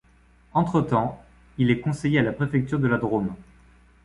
Entre-temps, il est conseiller à la préfecture de la Drôme.